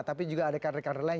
tapi juga adekat adekat lain